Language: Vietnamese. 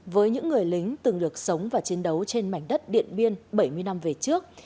với những người lính từng được sống và chiến đấu trên mảnh đất điện biên bảy mươi năm về trước